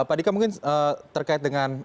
pak dika mungkin terkait dengan